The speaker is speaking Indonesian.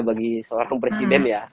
bagi seorang presiden ya